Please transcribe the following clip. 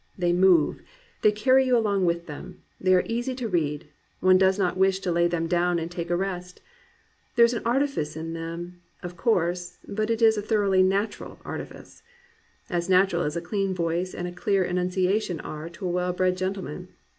They move; they carry you along with them; they are easy to read; one does not wish to lay them down and take a rest. There is artifice in them, of course, but it is a thoroughly natural artifice, — ^as natural as a clean voice and a clear enunciation are to a well bred gentleman.